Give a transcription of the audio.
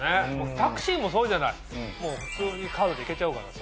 タクシーもそうじゃない普通にカードでいけちゃうから。